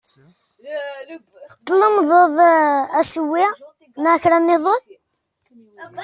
Tlemdeḍ asewwi neɣ kra nniḍen?